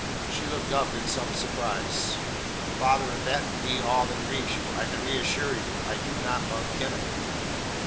She looked up in some surprise. "Father, if that be all that grieves you, I can reassure you. I do not love Kenneth."